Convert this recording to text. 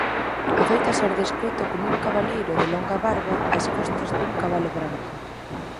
Adoita ser descrito coma un cabaleiro de longa barba ás costas dun cabalo branco.